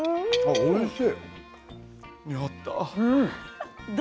おいしい！